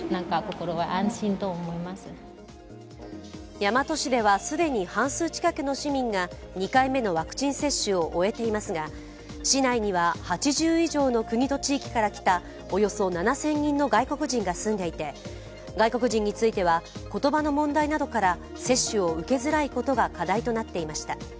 大和市では既に半数近くの市民が２回目のワクチン接種を終えていますが、市内には８０以上の国と地域から来たおよそ７０００人の外国人が住んでいて外国人については言葉の問題などから接種を受けづらいことが課題となっていました。